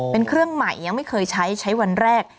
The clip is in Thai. เป็นเครื่องใหม่ยังไม่เคยใช้ใช้วันแรก